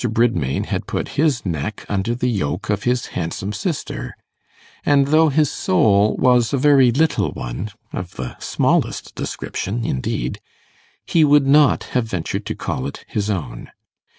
Bridmain had put his neck under the yoke of his handsome sister, and though his soul was a very little one of the smallest description indeed he would not have ventured to call it his own.